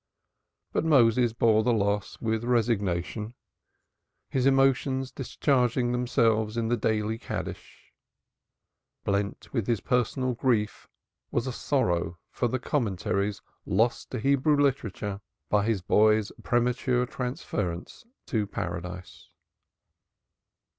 But Moses bore the loss with resignation, his emotions discharging themselves in the daily Kaddish. Blent with his personal grief was a sorrow for the commentaries lost to Hebrew literature by his boy's premature transference to Paradise.